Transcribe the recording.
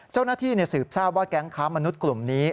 เจ้าหน้าที่สืบทราบว่าแก๊งค้ามนุษย์กลุ่มนี้